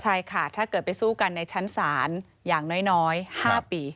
ใช่ค่ะถ้าเกิดไปสู้กันในชั้นศาลอย่างน้อย๕ปี